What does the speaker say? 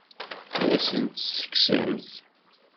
Ad asent-tt-tekksemt?